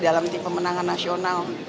dalam tim pemenangan nasional